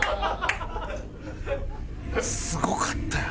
すごかったやん。